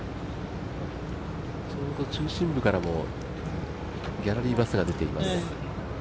ちょうど中心部からもギャラリーバスが出ています。